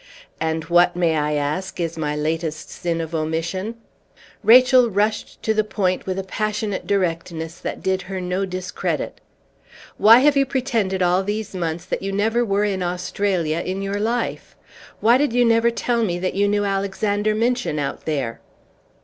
"And what, may I ask, is my latest sin of omission?" Rachel rushed to the point with a passionate directness that did her no discredit. "Why have you pretended all these months that you never were in Australia in your life? Why did you never tell me that you knew Alexander Minchin out there?"